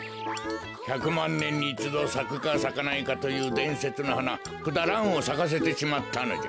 ひゃくまんねんにいちどさくかさかないかというでんせつのはなクダランをさかせてしまったのじゃ。